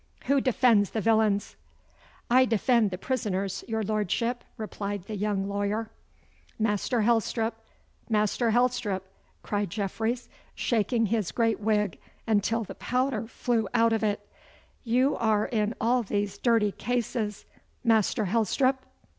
Who defends the villains?' 'I defend the prisoners, your Lordship,' replied the young lawyer. 'Master Helstrop, Master Helstrop!' cried Jeffreys, shaking his great wig until the powder flew out of it; 'you are in all these dirty cases, Master Helstrop.